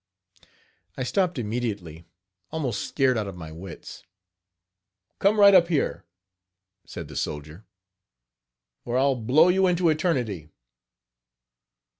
" I stopped immediately, almost scared out of my wits. "Come right up here," said the soldier, "or I'll blow you into eternity.